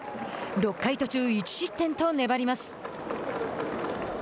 ６回途中１失点と粘ります。